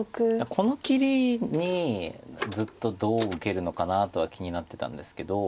この切りにずっとどう受けるのかなとは気になってたんですけど。